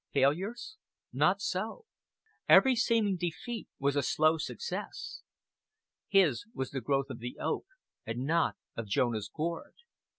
Failures? Not so. Every seeming defeat was a slow success. His was the growth of the oak, and not of Jonah's gourd.